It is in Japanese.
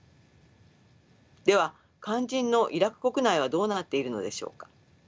では肝心のイラク国内はどうなっているのでしょうか。